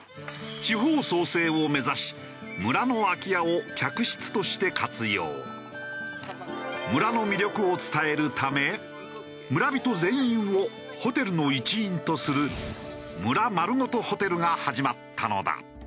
地方創生を目指し村の村の魅力を伝えるため村人全員をホテルの一員とする村まるごとホテルが始まったのだ。